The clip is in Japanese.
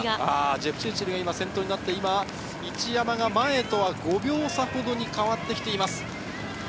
ジェプチルチルが先頭になって今、一山が前とは５秒差程に変わってきています。